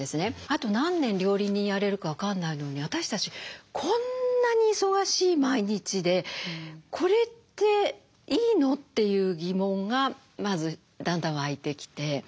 あと何年料理人やれるか分かんないのに私たちこんなに忙しい毎日で「これっていいの？」っていう疑問がまずだんだん湧いてきて。